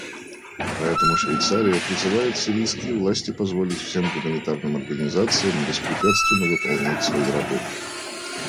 Поэтому Швейцария призывает сирийские власти позволить всем гуманитарным организациям беспрепятственно выполнять свою работу.